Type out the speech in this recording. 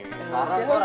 sekarang gue rahasia nih